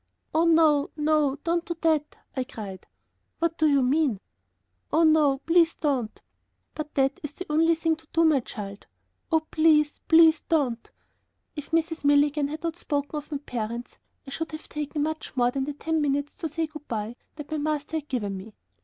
"Oh, no, no, don't do that," I cried. "What do you mean?" "Oh, no, please don't." "But that is the only thing to do, my child." "Oh, please, please don't." If Mrs. Milligan had not spoken of my parents, I should have taken much more than the ten minutes to say good by that my master had given me.